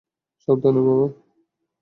সাবধানে, বাবা।